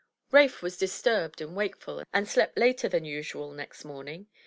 Ralph was disturbed and wakeful, and slept later tha,n usual next morning.